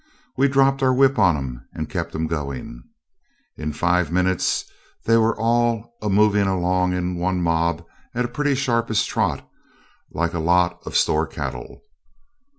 We dropped our whip on 'em, and kept 'em going. In five minutes they were all a moving along in one mob at a pretty sharpish trot like a lot of store cattle.